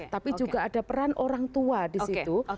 tapi juga ada peran orang tua di situ